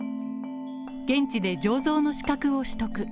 現地で醸造の資格を取得。